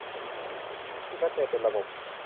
ที่ชัดเจนเป็นระบบ